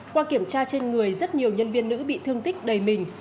qua kiểm tra trên người rất nhiều nhân viên nữ bị thương tích đầy mình